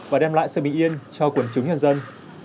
và đem lại sự bình yên cho quần chúng nhân dân